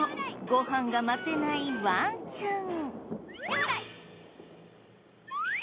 ご飯が待てないワンちゃん。